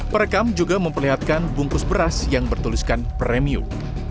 perekam juga memperlihatkan bungkus beras yang bertuliskan premium